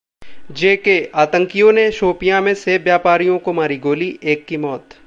J-K: आतंकियों ने शोपियां में सेब व्यापारियों को मारी गोली, एक की मौत